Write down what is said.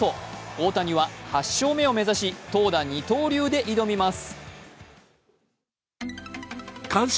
大谷は８勝目を目指し投打二刀流で挑みます。